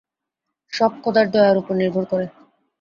সব খোদার দয়ার উপর নির্ভর করে।